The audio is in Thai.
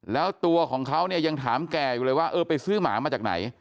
แล้วตัวของเขาเนี่ยยังถามแก่อยู่เลยว่าเออไปซื้อหมามาจากไหน